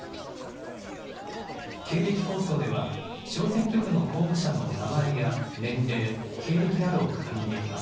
経歴放送では小選挙区の候補者の名前や年齢、経歴などを確認できます。